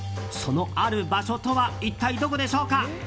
そのある場所とは一体、どこでしょうか。